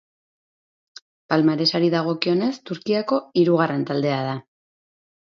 Palmaresari dagokionez Turkiako hirugarren taldea da.